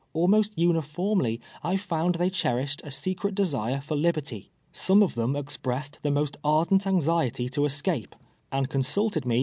Almost uniformly I found they cherished a secret desire for liberty. Some of them expressed the most ardent anxiety to escape, and 26 t\\t:la'e yeaks a slvte. coii.sultei 1 lue c.